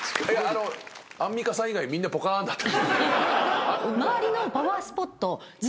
アンミカさん以外みんなぽかーんだった。